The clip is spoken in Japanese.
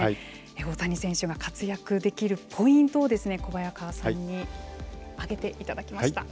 大谷選手が活躍できるポイントを小早川さんに挙げていただきました。